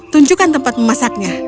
tunjukkan tempat memasaknya